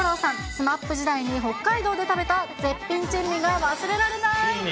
ＳＭＡＰ時代に北海道で食べた絶品珍味が忘れられない！